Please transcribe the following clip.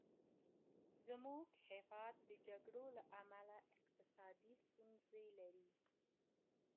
زموږ هېواد د جګړو له امله اقتصادي ستونزې لري.